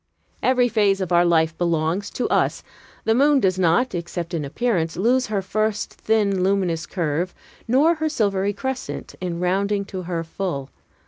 Every phase of our life belongs to us. The moon does not, except in appearance, lose her first thin, luminous curve, nor her silvery crescent, in rounding to her full.